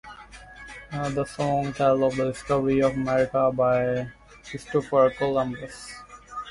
The song tells of the "discovery of America" by Christopher Columbus.